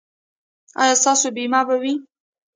ایا ستاسو بیمه به وي؟